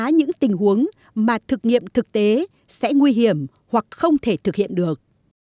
để phá những tình huống mà thực nghiệm thực tế sẽ nguy hiểm hoặc không thể thực hiện được